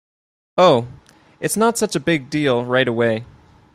Oh, it’s not such a big deal right away.